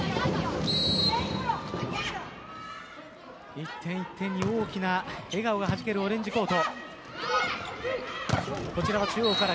１点１点に大きな笑顔がはじけるオレンジコート。